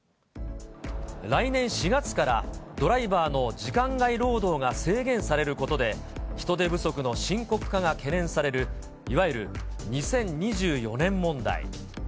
来年４月から、ドライバーの時間外労働が制限されることで、人手不足の深刻化が懸念される、いわゆる２０２４年問題。